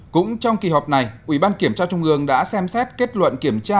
bảy cũng trong kỳ họp này ủy ban kiểm tra trung ương đã xem xét kết luận kiểm tra